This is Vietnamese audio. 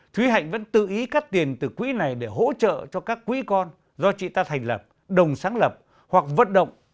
thúy hạnh vẫn tự ý cắt tiền từ quỹ này để hỗ trợ cho các quỹ con do chị ta thành lập đồng sáng lập hoặc vận động